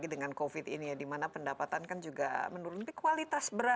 misalnya ini konflik covid sembilan belas di sumatera barat dan kita sudah biarkan per